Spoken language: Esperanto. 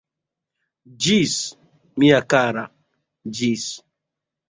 Ĝis, mia kara, ĝis!